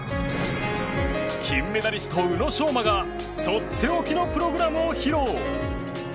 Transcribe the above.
金メダリスト、宇野昌磨がとっておきのプログラムを披露。